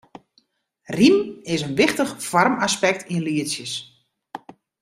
Rym is in wichtich foarmaspekt yn lietsjes.